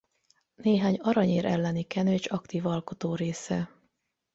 Néhány aranyér elleni kenőcs aktív alkotórésze.